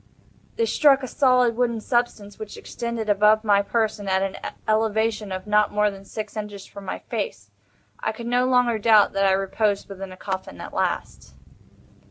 They struck a solid wooden substance, which extended above my person at an elevation of not more than six inches from my face. I could no longer doubt that I reposed within a coffin at last.